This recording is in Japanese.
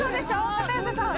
片寄さん。